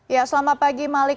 ya selamat pagi malik